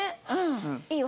いいよ。